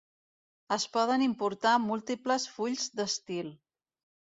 Es poden importar múltiples fulls d'estil.